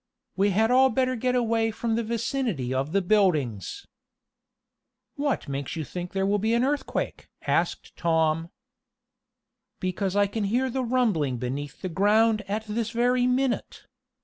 We had all better get away from the vicinity of buildings." "What makes you think there will be an earthquake?" asked Tom. "Because I can hear the rumbling beneath the ground at this very minute.